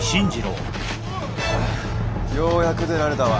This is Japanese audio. ようやく出られたわ。